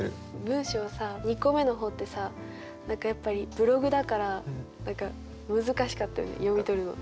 文章さ２個めの方ってさ何かやっぱりブログだから何か難しかったよね読み取るの。